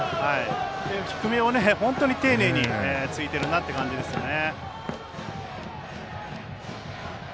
低めを本当に丁寧についているなっていう感じですね。